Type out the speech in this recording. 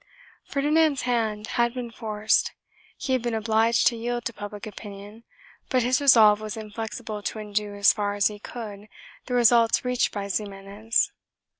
Ferdinand's hand had been forced; he had been obliged to yield to public opinion, but his resolve was inflexible to undo as far as he could the results reached by Ximenes.